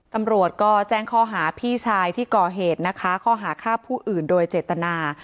ตำรวจก็แจ้งข้อหาพี่ชายที่ก่อเหตุนะคะข้อหาฆ่าผู้อื่นโดยเจตนา